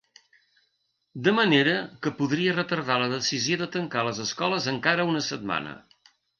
De manera que podria retardar la decisió de tancar les escoles encara una setmana.